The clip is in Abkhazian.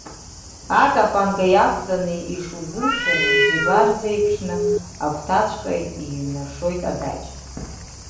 Акапанга иақәҵаны ишузымшәара, рџьабаа рзеиԥшны, агәҭаҵәҟьа еиҩнашоит адаҷ.